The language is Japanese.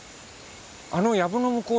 あのやぶの向こうね